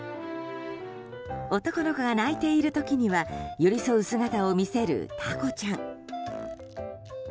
男の子が泣いている時には寄り添う姿を見せるたこちゃん。